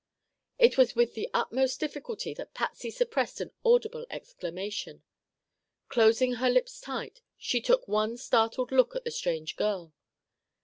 It was with the utmost difficulty that Patsy suppressed an audible exclamation. Closing her lips tight, she took one startled look at the strange girl.